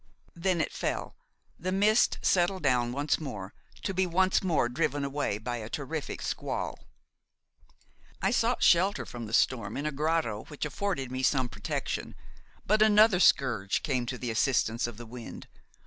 Then it fell; the mist settled down once more, to be once more driven away by a terrific squall. I sought shelter from the storm in a grotto which afforded me some protection; but another scourge came to the assistance of the wind.